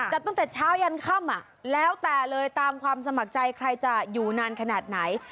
ตั้งแต่เช้ายันค่ำแล้วแต่เลยตามความสมัครใจใครจะอยู่นานขนาดไหน